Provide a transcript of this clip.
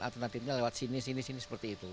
alternatifnya lewat sini sini sini seperti itu